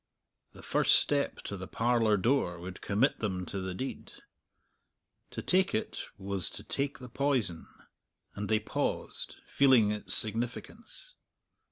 The first step to the parlour door would commit them to the deed; to take it was to take the poison, and they paused, feeling its significance.